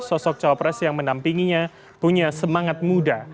sosok cawa pres yang mendampinginya punya semangat muda